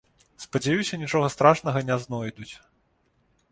Спадзяюся, нічога страшнага не знойдуць.